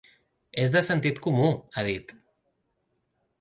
És de sentit comú, ha dit.